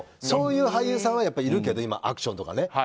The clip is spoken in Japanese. そういう俳優さんはいるけどアクションとかね。